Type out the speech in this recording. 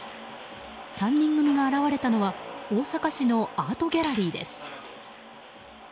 ３人組が現れたのは大阪市のアートギャラリーです。